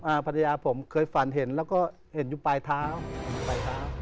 อ้าวภรรยาผมเคยฝันเห็นว่าเห็นอยู่ทางปลายเท้า